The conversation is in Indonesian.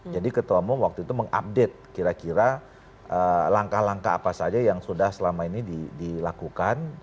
jadi ketua umum waktu itu mengupdate kira kira langkah langkah apa saja yang sudah selama ini dilakukan